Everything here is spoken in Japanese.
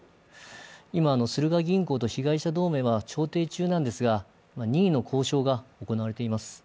今スルガ銀行と被害者同盟は調停中なんですが任意の交渉が行われています。